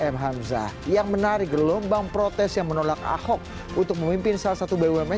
m hamzah yang menarik gelombang protes yang menolak ahok untuk memimpin salah satu bumn